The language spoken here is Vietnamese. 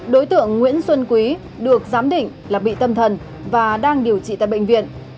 đối tượng nguyễn xuân quý được giám định là bị tâm thần và đang điều trị tại bệnh viện